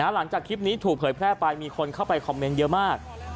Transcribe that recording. หลังจากคลิปนี้ถูกเผยแพร่ไปมีคนเข้าไปคอมเมนต์เยอะมาก